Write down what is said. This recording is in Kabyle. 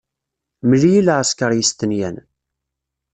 Mel-iyi lɛesker yestenyan.